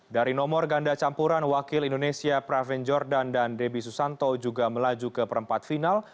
dari nomor ganda campuran wakil indonesia praven jordan dan debbie susanto juga melaju ke perempat final